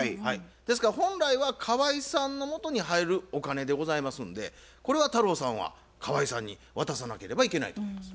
ですから本来は河井さんのもとに入るお金でございますのでこれは太郎さんは河井さんに渡さなければいけないと思います。